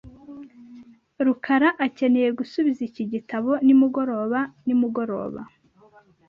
rukara akeneye gusubiza iki gitabo nimugoroba nimugoroba .